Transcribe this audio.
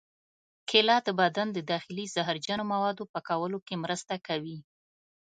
کېله د بدن د داخلي زهرجنو موادو پاکولو کې مرسته کوي.